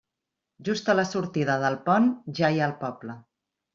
Just a la sortida del pont ja hi ha el poble.